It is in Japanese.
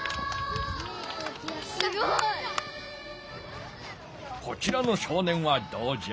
すごい！こちらの少年はどうじゃ？